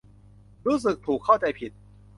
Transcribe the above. รู้สึกถูกเข้าใจผิด